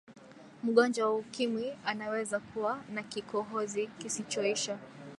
mgonjwa wa ukimwi anaweza kuwa na kikohozi kisichoisha